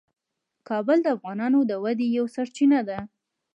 کابل د افغانانو د ودې یوه سرچینه ده.